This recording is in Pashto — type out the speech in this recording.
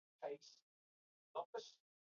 غوا د انسان لپاره ګټور حیوان دی.